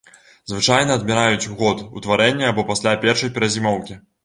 Звычайна адміраюць у год утварэння або пасля першай перазімоўкі.